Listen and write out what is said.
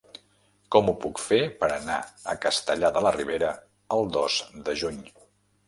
Com ho puc fer per anar a Castellar de la Ribera el dos de juny?